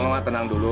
mama mama tenang dulu